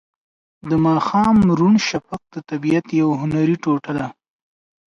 د ماښام روڼ شفق د طبیعت یوه هنري ټوټه ده.